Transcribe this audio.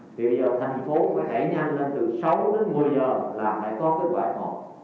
thì bây giờ thành phố phải hãy nhanh lên từ sáu đến một mươi giờ là phải có kết quả f một